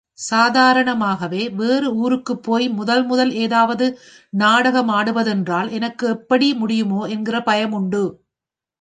சாதாரணமாகவே, வேறு ஊருக்குப் போய் முதல் முதல் ஏதாவது நாடகமாடுவதென்றால், எனக்கு, எப்படி முடியுமோ என்கிற பயமுண்டு.